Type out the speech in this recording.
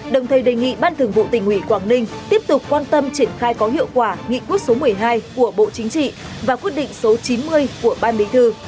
đồng thời đề nghị ban thường vụ tỉnh ủy quảng ninh tiếp tục quan tâm triển khai có hiệu quả nghị quyết số một mươi hai của bộ chính trị và quyết định số chín mươi của ban bí thư